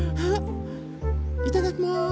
いただきます。